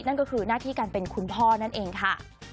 นั่นก็คือหน้าที่การเป็นคุณพ่อนั่นเองค่ะ